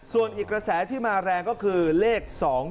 ส่วนอีกกระแสที่มาแรงก็คือเลข๒๕๖